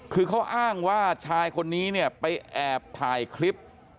คือเขาอ้างว่าชายคนนี้เนี่ยไปแอบถ่ายคลิป